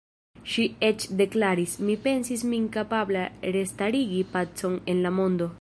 Ŝi eĉ deklaris: Mi pensis min kapabla restarigi pacon en la mondo..